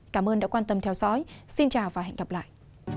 cảm ơn đã quan tâm theo dõi xin chào và hẹn gặp lại